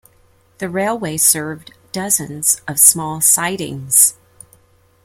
The railway served dozens of small sidings.